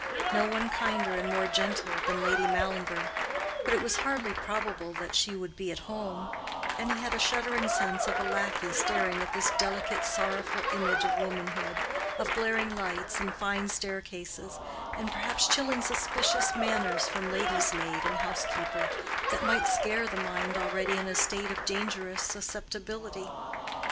No one kinder and more gentle than Lady Mallinger; but it was hardly probable that she would be at home; and he had a shuddering sense of a lackey staring at this delicate, sorrowful image of womanhood—of glaring lights and fine staircases, and perhaps chilling suspicious manners from lady's maid and housekeeper, that might scare the mind already in a state of dangerous susceptibility.